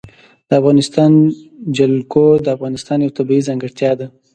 د افغانستان جلکو د افغانستان یوه طبیعي ځانګړتیا ده.